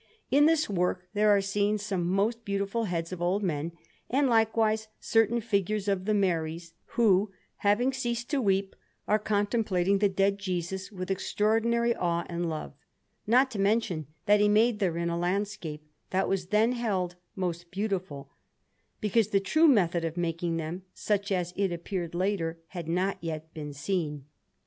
In this work there are seen some most beautiful heads of old men, and likewise certain figures of the Maries, who, having ceased to weep, are contemplating the Dead Jesus with extraordinary awe and love; not to mention that he made therein a landscape that was then held most beautiful, because the true method of making them, such as it appeared later, had not yet been seen.